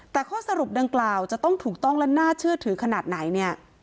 แต่ข้อสรุปดังกล่าวจะต้องถูกต้องและน่าเชื่อถือขนาดไหนเนี่ย